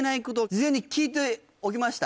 事前に聞いておきました